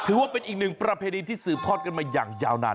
ถือว่าเป็นอีกหนึ่งประเพณีที่สืบทอดกันมาอย่างยาวนาน